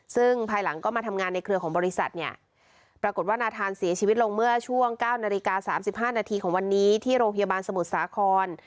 ซึ่งภายหลังก็มาทำงานในเครือของบริษัทเนี่ยปรากฏว่านาธานเสียชีวิตลงเมื่อช่วง๙นาฬิกา๓๕นาทีของวันนี้ที่โรงพยาบาลสมุทรสาคร